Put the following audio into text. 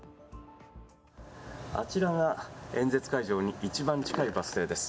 あちらが演説会場に一番近いバス停です。